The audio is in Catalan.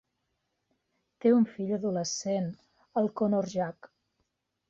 Té un fill adolescent, el Conor Jack.